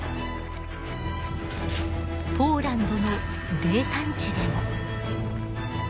ポーランドの泥炭地でも。